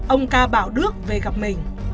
ông ca bảo đức về gặp mình